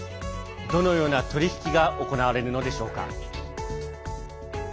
どのような取り引きが行われるのでしょうか。